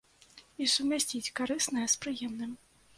І сумясціць карыснае з прыемным.